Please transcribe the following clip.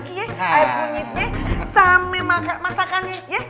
air bunyitnya sampe makan masakannya ya